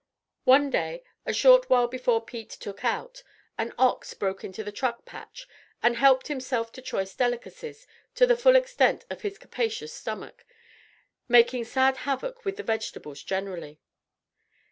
One day, a short while before Pete "took out," an ox broke into the truck patch, and helped himself to choice delicacies, to the full extent of his capacious stomach, making sad havoc with the vegetables generally.